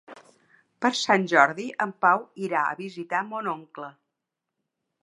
Per Sant Jordi en Pau irà a visitar mon oncle.